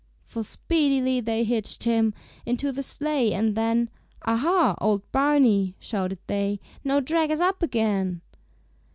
For speedily they hitched him Into the sleigh, and then "Aha! old Barney," shouted they, "Now drag us up again."